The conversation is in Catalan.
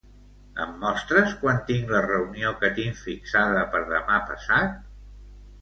Em mostres quan tinc la reunió que tinc fixada per demà passat?